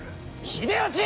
秀吉！